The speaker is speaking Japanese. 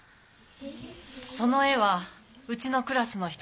その絵はうちのクラスの人の絵でした。